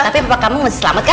tapi bapak kamu masih selamat kan